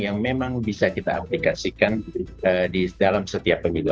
yang memang bisa kita aplikasikan di dalam setiap pemilu